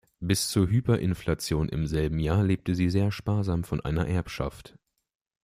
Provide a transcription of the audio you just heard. Bis zur Hyperinflation im selben Jahr lebte sie sehr sparsam von einer Erbschaft.